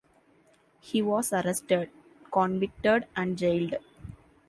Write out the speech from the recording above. He was arrested, convicted, and jailed.